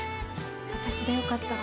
私でよかったら。